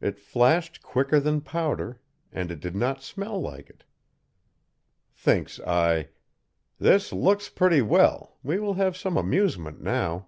It flashed quicker than powder, and it did not smell like it. Thinks I: 'This looks pretty well, we will have some amusement now.'